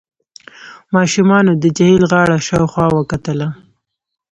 ماشومانو د جهيل غاړه شاوخوا وکتله.